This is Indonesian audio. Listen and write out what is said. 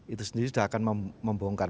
itu sendiri sudah akan membongkar